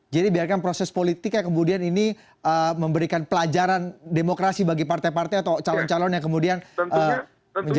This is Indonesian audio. jadi biarkan proses politik yang kemudian ini memberikan pelajaran demokrasi bagi partai partai atau calon calon yang kemudian menjadi tersangka